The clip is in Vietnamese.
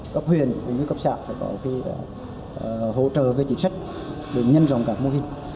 cấp huyền cấp xã có hỗ trợ về chính sách để nhân dòng các mô hình